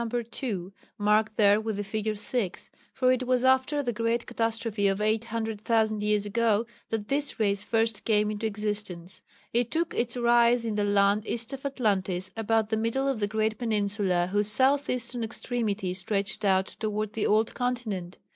2 (marked there with the figure 6), for it was after the great catastrophe of 800,000 years ago that this race first came into existence. It took its rise in the land east of Atlantis, about the middle of the great peninsula whose south eastern extremity stretched out towards the old continent.